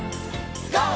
ＧＯ！